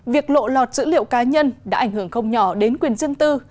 việc lộ lọt dữ liệu cá nhân đã ảnh hưởng không nhỏ đến quyền dân tư